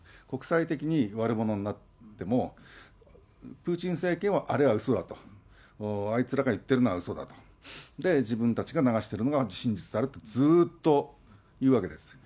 国際的に悪者になっても、プーチン政権はあれはうそだと、あいつらが言ってるのはうそだと、自分たちが流しているのが真実であると、ずっと言うわけです。